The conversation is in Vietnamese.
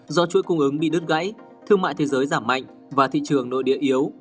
do chuỗi cung ứng bị đứt gãy thương mại thế giới giảm mạnh và thị trường nội địa yếu